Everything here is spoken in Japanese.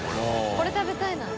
これ食べたいな。